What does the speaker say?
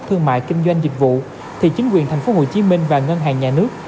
thương mại kinh doanh dịch vụ thì chính quyền thành phố hồ chí minh và ngân hàng nhà nước